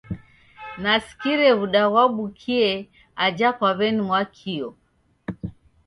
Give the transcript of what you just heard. Nasikire w'uda ghwabukie aja kwa weni-Mwakio.